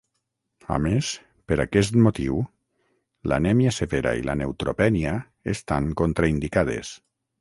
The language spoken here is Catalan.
A més, per aquest motiu, l'anèmia severa i la neutropènia estan contraindicades.